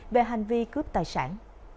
về hành vi cướp tài sản